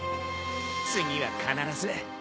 次は必ず。